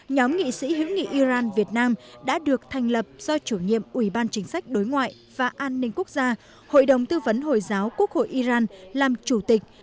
nhóm nghị sĩ hữu nghị iran việt nam đã được thành lập do chủ nhiệm ủy ban chính sách đối ngoại và an ninh quốc gia hội đồng tư vấn hồi giáo quốc hội iran làm chủ tịch